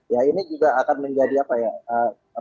ya ini juga akan menjadi apa ya